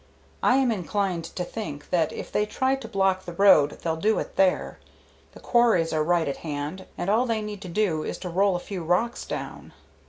I am inclined to think that if they try to block the road they'll do it there. The quarries are right at hand, and all they need to do is to roll a few rocks down."